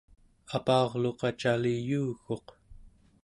apa'urluqa cali yuuguq